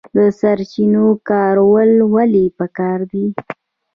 د سرچینو کارول ولې پکار دي؟